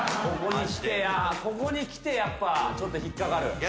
ここにきてやっぱちょっと引っ掛かる。